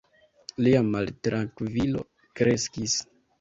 Lia maltrankvilo kreskis.